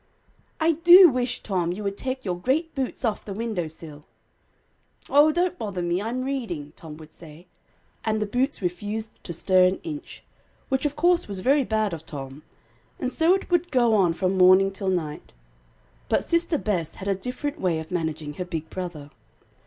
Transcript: "I do wish, Tom, you would take your great boots off the window sill!" "O don't bother me; I'm reading;" Tom would say: and the boots refused to stir an inch, which of course was very bad of Tom. And so it would go on from morning till night. But Sister Bess had a different way of managing her big brother.